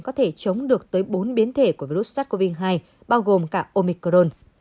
có thể chống được tới bốn biến thể của virus sars cov hai bao gồm cả omicron